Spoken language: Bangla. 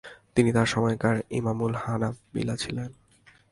তিনি তার সময়কার ইমামুল হানাবিলা ছিলেন।